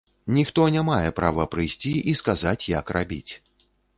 Ніхто не мае права прыйсці і сказаць, як рабіць.